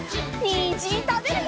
にんじんたべるよ！